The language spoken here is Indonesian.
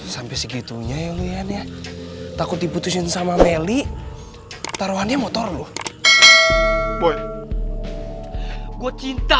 sampai segitunya ya nia takut diputusin sama meli taruhannya motor lu gue cinta